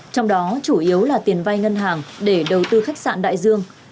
trong đó chủ yếu là tiền vay ngân hàng để đầu tư khách sạn đại dương